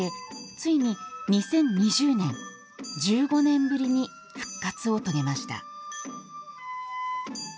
ついに２０２０年１５年ぶりに復活を遂げました。